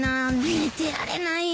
寝てられないよ。